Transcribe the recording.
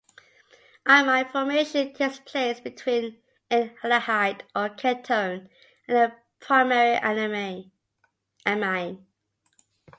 Imine formation takes place between an aldehyde or ketone and a primary amine.